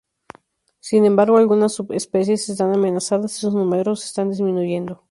Sin embargo algunas subespecies están amenazadas y sus números están disminuyendo.